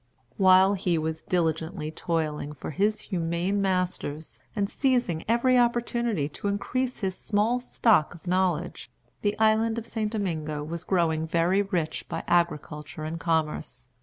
While he was diligently toiling for his humane masters, and seizing every opportunity to increase his small stock of knowledge, the island of St. Domingo was growing very rich by agriculture and commerce.